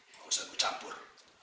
nggak usah gue campur